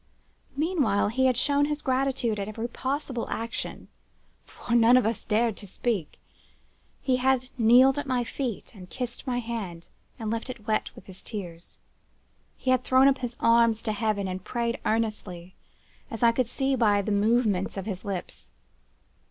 Meanwhile, he had shown his gratitude by every possible action (for we none of us dared to speak): he had kneeled at my feet, and kissed my hand, and left it wet with his tears. He had thrown up his arms to Heaven, and prayed earnestly, as I could see by the movement of his lips.